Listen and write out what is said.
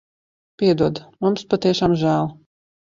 Piedod. Mums patiešām žēl.